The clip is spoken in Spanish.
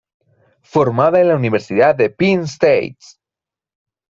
Formada en la Universidad de Penn State.